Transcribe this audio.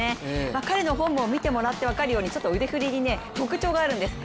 彼のフォームを見てもらって分かるようにちょっと腕振りに特徴があるんです。